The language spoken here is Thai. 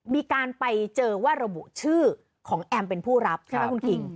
มีการไปเจอว่าระบุชื่อของแอมเป็นผู้รับใช่ไหมคุณคิง